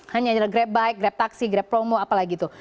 hanya grab bike grab taxi grab promo apalagi itu